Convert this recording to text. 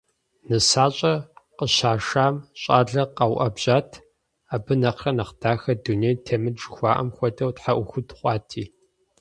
НысащӀэр къыщашам щӀалэр къэуӀэбжьат, абы нэхърэ нэхъ дахэ дунейм темыт жыхуаӀэм хуэдэу тхьэӀухуд хъуати.